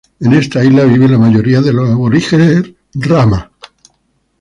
En esta isla viven la mayoría de los aborígenes rama.